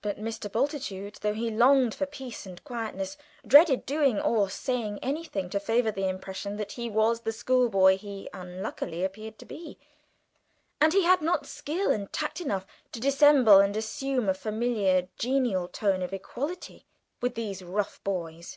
But Mr. Bultitude, though he longed for peace and quietness, dreaded doing or saying anything to favour the impression that he was the schoolboy he unluckily appeared to be, and he had not skill and tact enough to dissemble and assume a familiar genial tone of equality with these rough boys.